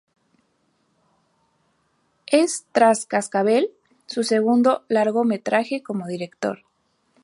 Es, tras "Cascabel", su segundo largometraje como director.